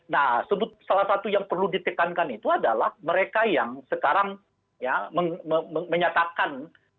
nah salah satu yang perlu ditekankan itu adalah mereka yang sekarang ya menyatakan